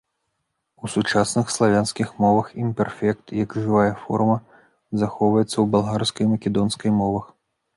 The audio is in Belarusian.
У сучасных славянскіх мовах імперфект як жывая форма захоўваецца ў балгарскай і македонскай мовах.